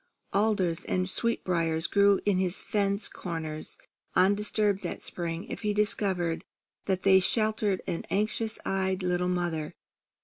Alders and sweetbriers grew in his fence corners undisturbed that spring if he discovered that they sheltered an anxious eyed little mother.